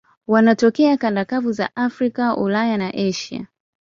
Wanatokea kanda kavu za Afrika, Ulaya na Asia.